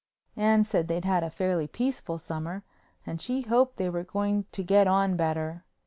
Anne said they'd had a fairly peaceful summer and she hoped they were going to get on better.